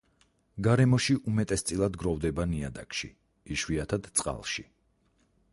გარემოში უმეტესწილად გროვდება ნიადაგში, იშვიათად წყალში.